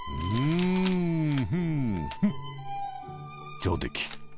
上出来。